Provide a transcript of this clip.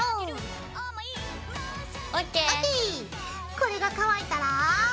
これが乾いたら。